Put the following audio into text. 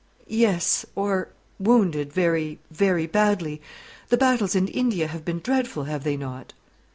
"Yes; or wounded very, very badly. The battles in India have been dreadful, have they not?"